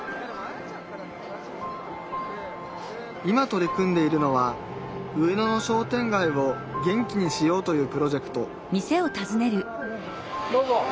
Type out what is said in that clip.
今取り組んでいるのは上野の商店街を元気にしようというプロジェクトどうぞ。